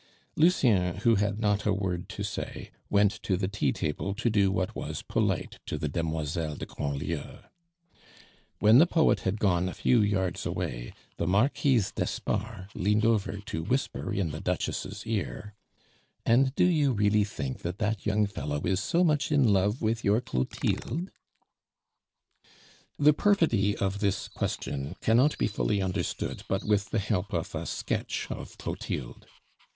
Lucien, who had not a word to say, went to the tea table to do what was polite to the demoiselles de Grandlieu. When the poet had gone a few yards away, the Marquise d'Espard leaned over to whisper in the Duchess' ear: "And do you really think that that young fellow is so much in love with your Clotilde?" The perfidy of this question cannot be fully understood but with the help of a sketch of Clotilde.